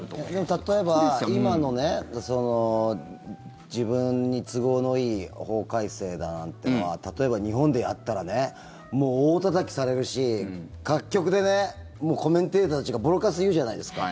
例えば、今の自分に都合のいい法改正だなんてのは例えば日本でやったらねもう大たたきされるし各局でね、コメンテーターたちがボロカス言うじゃないですか。